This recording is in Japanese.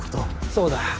そうだ。